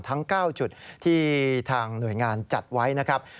ทั้ง๙จุดที่ทางหน่วยงานจัดไว้นะครับ